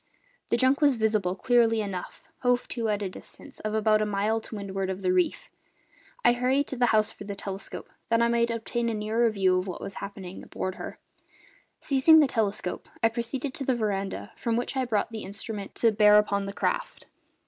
The junk was visible, clearly enough, hove to at a distance of about a mile to windward of the reef; and I hurried to the house for the telescope, that I might obtain a nearer view of what was happening aboard her. Seizing the telescope I proceeded to the veranda, from which I brought the instrument to bear upon the craft.